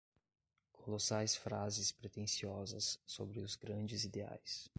colossais frases pretensiosas sobre os grandes ideais